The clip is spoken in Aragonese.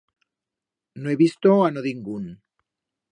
No he visto a no dingún.